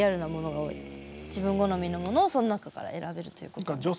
自分好みのものをその中から選べるということなんです。